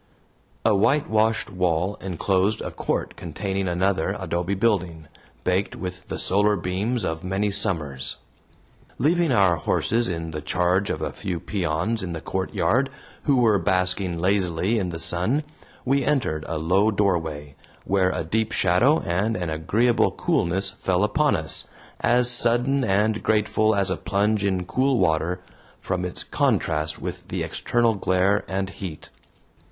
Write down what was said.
A whitewashed wall enclosed a court containing another adobe building, baked with the solar beams of many summers. Leaving our horses in the charge of a few peons in the courtyard, who were basking lazily in the sun, we entered a low doorway, where a deep shadow and an agreeable coolness fell upon us, as sudden and grateful as a plunge in cool water, from its contrast with the external glare and heat.